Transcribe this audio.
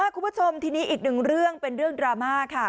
คุณผู้ชมทีนี้อีกหนึ่งเรื่องเป็นเรื่องดราม่าค่ะ